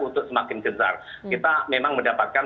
untuk semakin besar kita memang mendapatkan